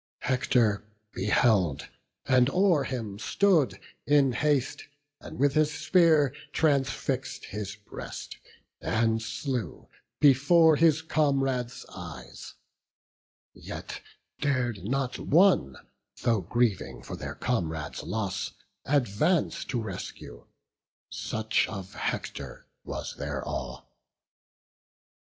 Hector beheld, and o'er him stood in haste, And with his spear transfix'd his breast, and slew Before his comrades' eyes; yet dar'd not one, Though grieving for their comrade's loss, advance To rescue; such of Hector was their awe.